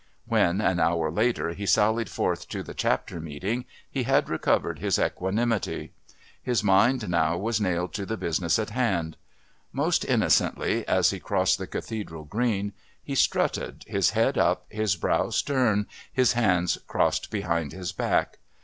When an hour later he sallied forth to the Chapter Meeting he had recovered his equanimity. His mind now was nailed to the business on hand. Most innocently as he crossed the Cathedral Green he strutted, his head up, his brow stern, his hands crossed behind his back.